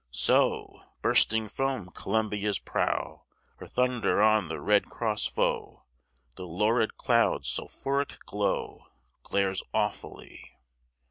So, bursting from Columbia's prow, Her thunder on the red cross foe, The lurid cloud's sulphuric glow Glares awfully.